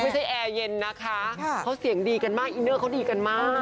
แอร์เย็นนะคะเขาเสียงดีกันมากอินเนอร์เขาดีกันมาก